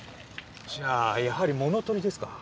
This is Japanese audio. じゃあやはり物取りですか。